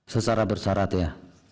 secara bersyarat ya